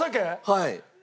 はい。